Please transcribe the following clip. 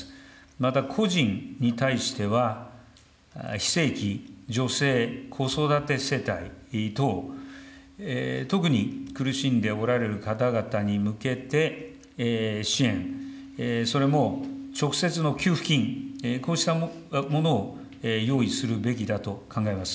また個人に対しては、非正規、女性、子育て世帯等、特に苦しんでおられる方々に向けて、支援、それも直接の給付金、こうしたものを用意するべきだと考えます。